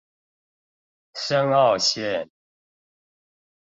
深澳線